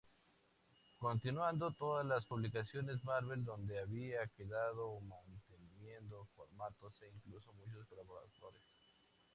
Continuando todas las publicaciones Marvel donde habían quedado, manteniendo formatos e incluso muchos colaboradores.